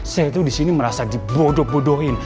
saya tuh disini merasa dibodoh bodohin